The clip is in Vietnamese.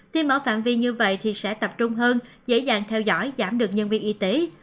khi mở phạm vi như vậy thì sẽ tập trung hơn dễ dàng theo dõi giảm được nhân viên y tế